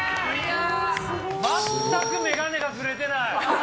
全く眼鏡がずれてない。